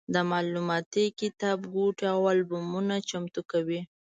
د معلوماتي کتابګوټي او البومونه چمتو کوي.